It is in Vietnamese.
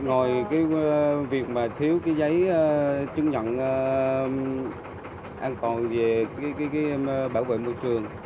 ngồi cái việc mà thiếu cái giấy chứng nhận an toàn về bảo vệ môi trường